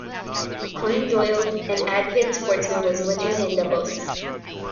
Conan Doyle, an avid sportsman, was wintering in Davos.